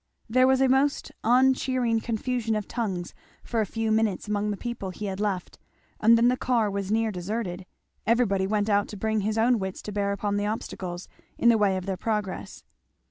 There was a most uncheering confusion of tongues for a few minutes among the people he had left, and then the car was near deserted; everybody went out to bring his own wits to bear upon the obstacles in the way of their progress.